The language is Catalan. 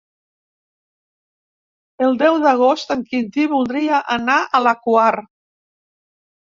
El deu d'agost en Quintí voldria anar a la Quar.